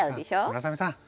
村雨さん